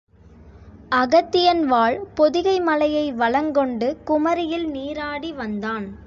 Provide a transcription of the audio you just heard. அகத்தியன் வாழ் பொதிகை மலையை வலங் கொண்டு குமரியில் நீராடி வந்தான்.